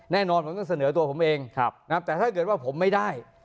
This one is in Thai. แน่นอนผมต้องเสนอตัวผมเองแต่ถ้าเกิดว่าผมไม่ได้